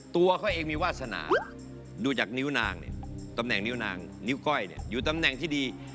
ตัวเขาเองมีวาสนาดูจากนิ้วนางเนี่ยตำแหน่งนิ้วนางนิ้วก้อยเนี่ยอยู่ตำแหน่งที่ดี